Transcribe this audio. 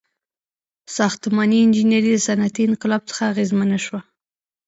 • ساختماني انجینري د صنعتي انقلاب څخه اغیزمنه شوه.